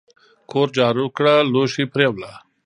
کور جارو کړه لوښي پریوله !